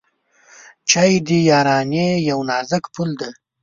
چای د یارانۍ یو نازک پُل دی.